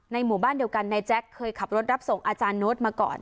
หมู่บ้านเดียวกันนายแจ๊คเคยขับรถรับส่งอาจารย์โน้ตมาก่อน